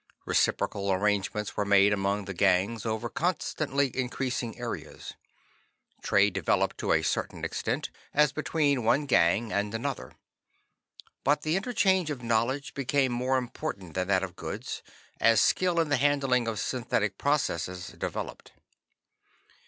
Reciprocal arrangements were made among the gangs over constantly increasing areas. Trade developed to a certain extent, as between one gang and another. But the interchange of knowledge became more important than that of goods, as skill in the handling of synthetic processes developed.